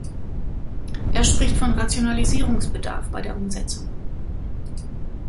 Er spricht von Rationalisierungsbedarf bei der Umsetzung.